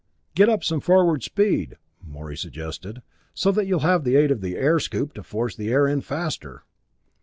"Get up some forward speed," Morey suggested, "so that you'll have the aid of the air scoop to force the air in faster."